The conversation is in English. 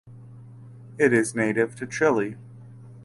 It is native to Chile.